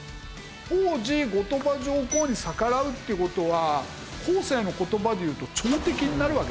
当時後鳥羽上皇に逆らうっていう事は後世の言葉でいうと朝敵になるわけでしょ。